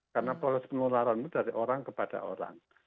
karena proses penularan itu dari orang kepada orang